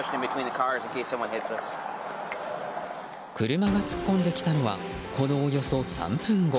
車が突っ込んできたのはこのおよそ３分後。